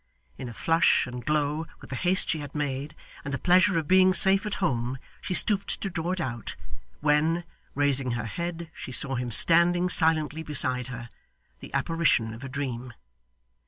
In a flush and glow, with the haste she had made, and the pleasure of being safe at home, she stooped to draw it out, when, raising her head, she saw him standing silently beside her: the apparition of a dream.